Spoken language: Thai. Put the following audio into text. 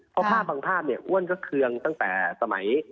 เพราะภาพบางภาพเนี่ยอ้วนก็เคืองตั้งแต่สมัย